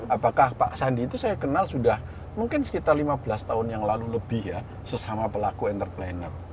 apakah pak sandi itu saya kenal sudah mungkin sekitar lima belas tahun yang lalu lebih ya sesama pelaku entrepreneur